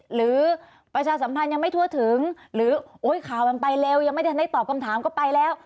หรือประชาสัมพันธ์ยังไม่ทั่วถึงหรือข่าวมันไปเร็วยังไม่ได้ตอบคำถามก็ไปแล้ว